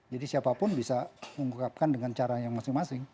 jadi siapapun bisa mengungkapkan dengan cara yang masing masing